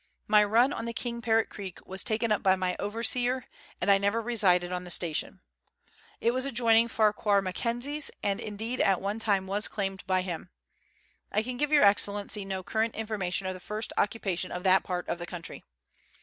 My run on the King Parrot Creek was taken up by my overseer, and I never resided on the station. It was adjoining Farquhar McKenzie's, and indeed at one time was claimed by him. I can give Your Excellency no correct information of the first occupation of that part of the country.